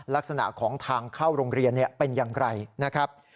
ลักษณะของทางเข้าโรงเรียนเป็นอย่างไรนะครับ